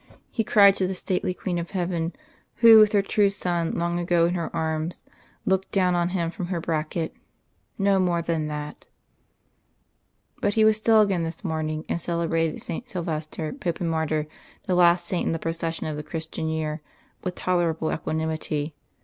he cried to the stately Queen of Heaven who, with Her true Son long ago in Her arms, looked down on him from Her bracket no more than that. But he was still again this morning, and celebrated Saint Silvester, Pope and Martyr, the last saint in the procession of the Christian year, with tolerable equanimity.